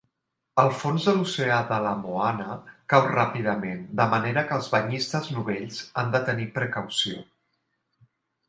El fons de l'oceà d'Ala Moana cau ràpidament, de manera que els banyistes novells han de tenir precaució.